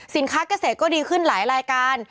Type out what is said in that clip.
เกษตรก็ดีขึ้นหลายรายการ